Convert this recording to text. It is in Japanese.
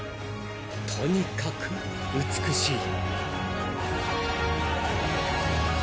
［とにかく美しい］